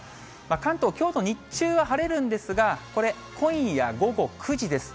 関東、きょうの日中は晴れるんですが、これ、今夜午後９時です。